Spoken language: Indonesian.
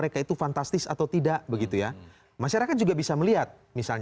yang yang siapa pengen memang saja berambil ambil itu bahan